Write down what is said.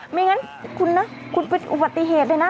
ไม่งั้นคุณนะคุณเป็นอุบัติเหตุเลยนะ